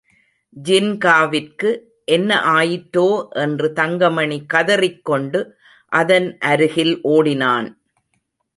ஜின்காவிற்கு என்ன ஆயிற்றோ என்று தங்கமணி கதறிக் கொண்டு அதன் அருகில் ஓடினான்.